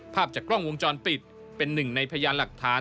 ภาพจากกล้องวงจรปิดเป็นหนึ่งในพยานหลักฐาน